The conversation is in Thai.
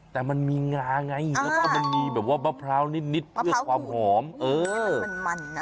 แต่มันมีงาไงแล้วก็มีแบบว่ามะพร้าวนิดเพื่อความหอมมะพร้าวถูก